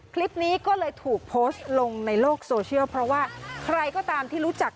คลิปนี้ก็เลยถูกโพสต์ลงในโลกโซเชียลเพราะว่าใครก็ตามที่รู้จัก